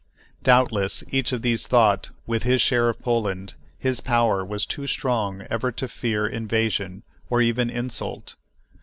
Doubtless each of these thought, with his share of Poland, his power was too strong ever to fear invasion, or even insult.